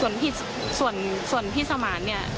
นะคะส่วนพี่สหาร์เนี้ย